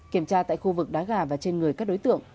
kiểm tra tại khu vực đá gà và trên người các đối tượng